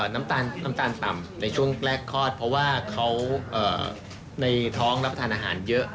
น้ำตาลต่ำในช่วงแรกคลอดเพราะว่าเขาในท้องรับประทานอาหารเยอะ